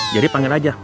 jadi panggil aja